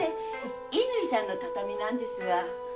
乾さんの畳なんですわ。